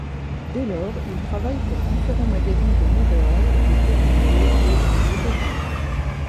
Dès lors, il travaille pour différents magazines de Montréal, de Toronto et des États-Unis.